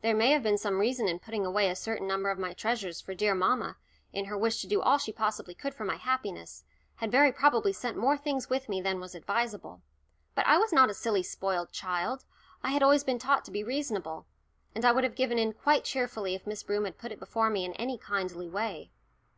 There may have been some reason in putting away a certain number of my treasures, for dear mamma, in her wish to do all she possibly could for my happiness, had very probably sent more things with me than was advisable. But I was not a silly spoilt child; I had always been taught to be reasonable, and I would have given in quite cheerfully if Miss Broom had put it before me in any kindly way.